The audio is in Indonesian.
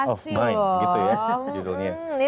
of mind gitu ya judulnya